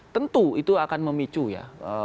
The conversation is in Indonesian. tentu itu akan memicu ya